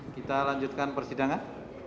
kita lanjutkan persidangan